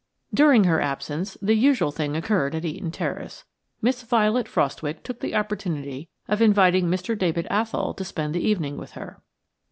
During her absence the usual thing occurred at Eaton Terrace. Miss Violet Frostwicke took the opportunity of inviting Mr. David Athol to spend the evening with her.